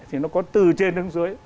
thì nó có từ trên đến dưới